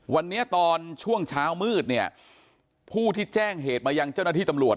วันนี้ตอนช่วงเช้ามืดเนี่ยผู้ที่แจ้งเหตุมายังเจ้าหน้าที่ตำรวจ